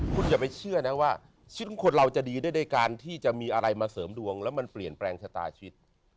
คุณอย่าไปเชื่อนะว่าชีวิตของคนเราจะดีด้วยการที่จะมีอะไรมาเสริมดวงแล้วมันเปลี่ยนแปลงชะตาชีวิต